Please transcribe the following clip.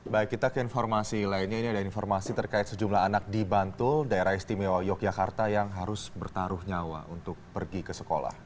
baik kita ke informasi lainnya ini ada informasi terkait sejumlah anak di bantul daerah istimewa yogyakarta yang harus bertaruh nyawa untuk pergi ke sekolah